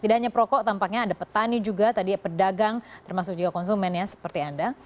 tidak hanya perokok tampaknya ada petani juga pedagang termasuk juga konsumen seperti anda